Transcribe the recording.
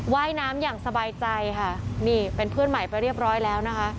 ว่ายน้ำอย่างสบายใจค่ะนี่เป็นเพื่อนใหม่ไปเรียบร้อยแล้วนะคะ